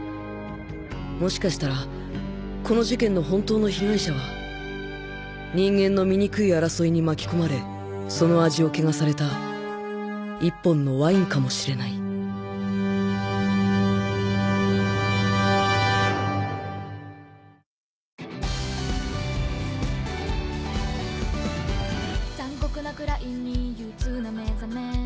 もしかしたらこの事件の本当の被害者は人間の醜い争いに巻き込まれその味を汚された１本のワインかもしれない・この甘さまろやかさ！